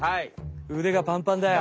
うでがパンパンだよ。